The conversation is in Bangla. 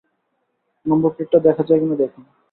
নম্বর প্লেটটা দেখা যায় কিনা দেখুন।